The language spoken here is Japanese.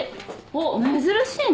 おっ珍しいね。